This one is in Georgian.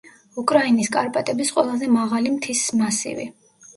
უკრაინის კარპატების ყველაზე მაღალი მთის მასივი.